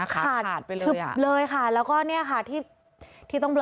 ขาขาดไปเลยอ่ะขาดชุบเลยค่ะแล้วก็เนี่ยค่ะที่ที่ต้องเบลอ